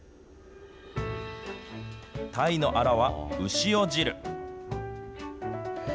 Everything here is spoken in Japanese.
タイのアラはうしお汁。